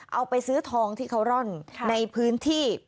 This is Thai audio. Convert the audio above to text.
เอาไปซื้อทองที่เขาร่อนในพื้นที่